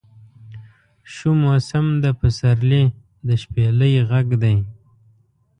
شو موسم د پسرلي د شپیلۍ غږدی